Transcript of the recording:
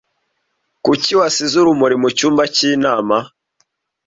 Kuki wasize urumuri mucyumba cy'inama?